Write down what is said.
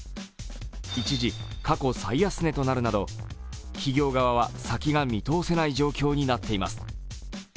一時、過去最安値となるなど、企業側は先が見通せない状況になっています。